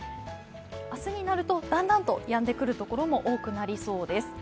明日になると、だんだんとやんでくるところも多くなりそうです。